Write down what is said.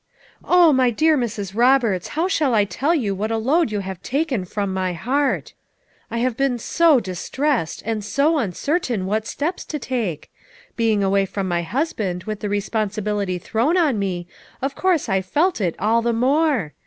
"Oh, my dear Mrs. Roberts, how shall I tell you what a load you have taken from my heart ! I have been so distressed, and so uncertain what steps to take; being away from my husband with the responsibility thrown on me, of course I felt it all the more.